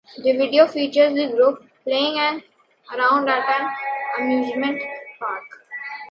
The video features the group playing around at an amusement park.